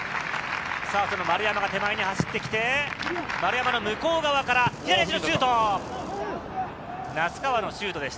その丸山が手前に走ってきて、丸山の向こう側から、左足のシュート！